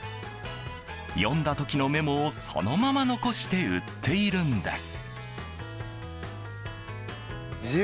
読んだ時のメモをそのまま残して売っているんです。